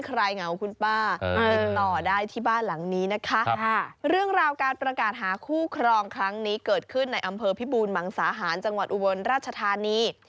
เหงาคุณป้าติดต่อได้ที่บ้านหลังนี้นะคะเรื่องราวการประกาศหาคู่ครองครั้งนี้เกิดขึ้นในอำเภอพิบูรมังสาหารจังหวัดอุบลราชธานี